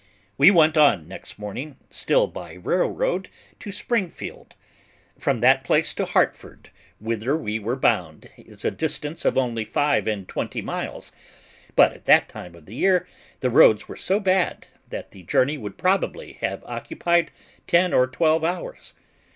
We went on next morning, still by railroad, to Springfield. From that place to Hartford, whither we were bound, is a distance of only five and twenty miles, but at that time of the year the roads were so bad that the journey would probably have occupied ten or twelve hours.